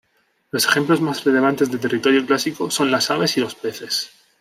Los ejemplos más relevantes de "territorio clásico" son las aves y los peces.